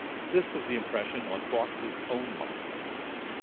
This was the impression on Fawkes's own mind.